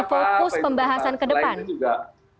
fokus pembahasan kedepan